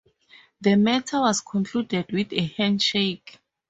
The matter was concluded with a handshake.